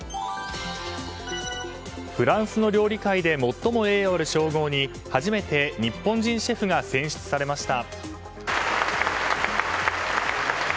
フランスの料理界で最も栄誉ある称号に初めて日本人シェフが選出されました。